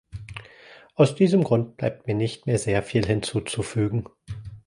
Aus diesem Grund bleibt mir nicht sehr viel hinzuzufügen.